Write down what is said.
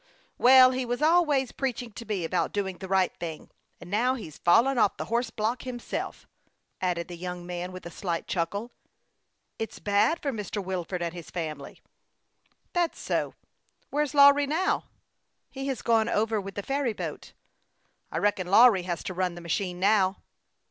119 " Well, he was always preaching to me about doing the right thing ; and now he's fallen off the horse block himself," added the young man, with a slight chuckle, which was not at all pleasing to Ethan. " It's bad for Mr. Wilford and his family." " That's so. Where's Lawry now ?"" He has gone over with the ferry boat." " I reckon Lawry has to run the machine now."